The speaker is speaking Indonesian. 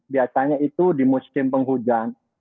biasanya itu di musim penghujan